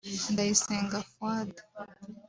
Ndayisenga Fuad